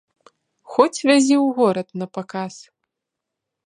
Хоць вязі ў горад на паказ!